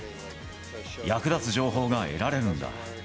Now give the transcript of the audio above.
役立つ情報が得られるんだ。